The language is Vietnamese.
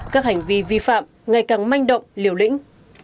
các hành vi vi phạm ngày càng manh động liều lĩnh